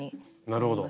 なるほど。